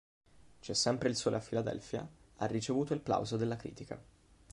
C'è sempre il sole a Philadelphia ha ricevuto il plauso della critica.